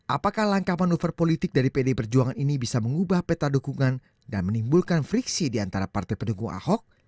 apakah langkah manuver politik dari pd perjuangan ini bisa mengubah peta dukungan dan menimbulkan friksi diantara partai pendukung ahok